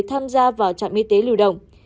tham gia vào trạm y tế lưu động